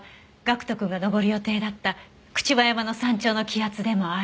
岳人くんが登る予定だった朽葉山の山頂の気圧でもある。